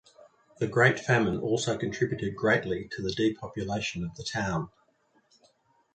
The Great Famine also contributed greatly to the depopulation of the town.